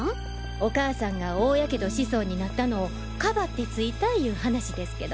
お母さんが大火傷しそうになったのをかばってついたゆう話ですけど。